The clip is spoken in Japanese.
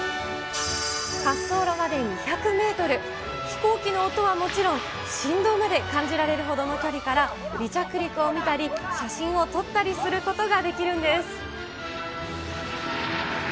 滑走路まで２００メートル、飛行機の音はもちろん、振動まで感じられるほどの距離から離着陸を見たり、写真を撮ったりすることができるんです。